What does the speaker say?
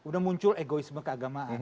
dan juga egoisme keagamaan